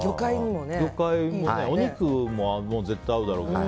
お肉も絶対合うだろうけど。